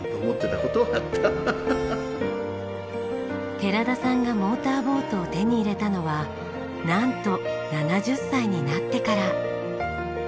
寺田さんがモーターボートを手に入れたのはなんと７０歳になってから。